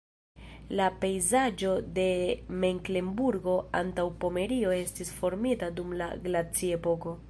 La pejzaĝo de Meklenburgo-Antaŭpomerio estis formita dum la glaciepoko.